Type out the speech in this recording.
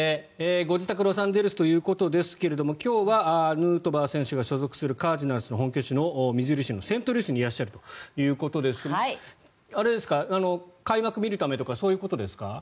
ご自宅ロサンゼルスということですが今日はヌートバー選手が所属するカージナルスの本拠地のミズーリ州のセントルイスにいらっしゃるということですがあれですか、開幕見るためとかそういうことですか？